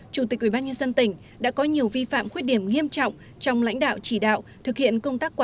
chủ tịch ubnd đã có nhiều vi phạm khuyết điểm nghiêm trọng trong lãnh đạo chỉ đạo